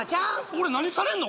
俺何されんの？